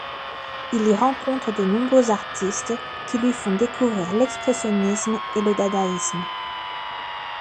Il y rencontre de nombreux artistes qui lui font découvrir l'expressionnisme et le dadaïsme.